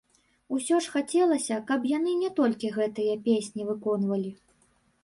Усё ж хацелася, каб яны не толькі гэтыя песні выконвалі.